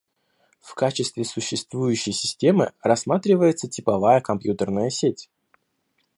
В качестве существующей системы рассматривается типовая компьютерная сеть.